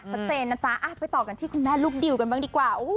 ชัดเจนนะจ๊ะไปต่อกันที่คุณแม่ลูกดิวกันบ้างดีกว่า